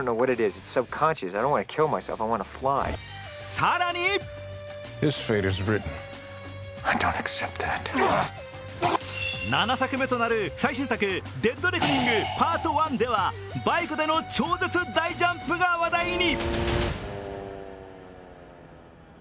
更に７作目となる最新作「デッドレコニングＰＡＲＴＯＮＥ」ではバイクでの超絶大ジャンプが話題に。